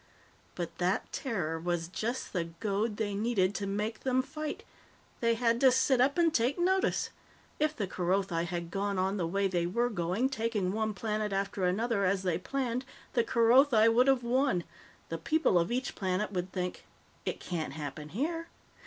But that terror was just the goad they needed to make them fight. They had to sit up and take notice. If the Kerothi had gone on the way they were going, taking one planet after another, as they planned, the Kerothi would have won. The people of each planet would think, 'It can't happen here.'